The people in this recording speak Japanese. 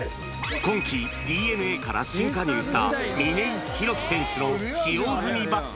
今季、ＤｅＮＡから新加入した嶺井博希選手の使用済みバット。